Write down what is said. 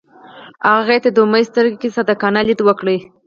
هغه هغې ته د امید سترګو کې صادقانه لید وکړ.